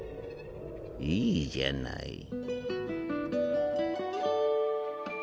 いいじゃない。